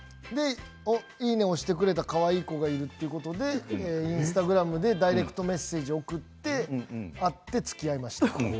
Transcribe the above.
いいね！を押してくれたかわいい子がいるということでインスタグラムでダイレクトメッセージを送って会って、つきあいました。